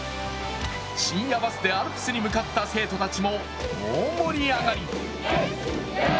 深夜バスでアルプスに向かった生徒たちも大盛り上がり！